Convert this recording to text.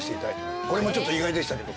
俺もちょっと意外でしたけど。